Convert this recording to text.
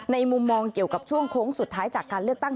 มุมมองเกี่ยวกับช่วงโค้งสุดท้ายจากการเลือกตั้ง